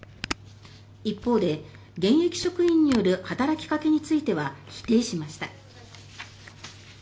一方で現役職員による働きかけについては否定しました。